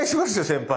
先輩。